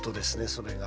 それが。